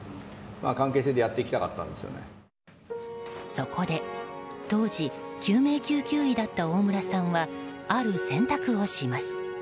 そこで当時救命救急医だった大村さんはある選択をします。